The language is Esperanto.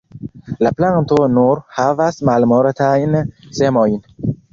La planto nur havas malmultajn semojn.